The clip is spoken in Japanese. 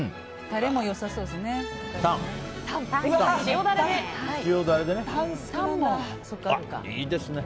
タレも良さそうですね。